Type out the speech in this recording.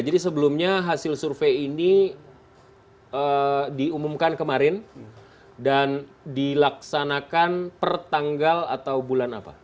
jadi sebelumnya hasil survei ini diumumkan kemarin dan dilaksanakan per tanggal atau bulan apa